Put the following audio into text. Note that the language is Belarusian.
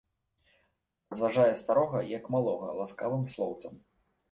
Разважае старога, як малога, ласкавым слоўцам.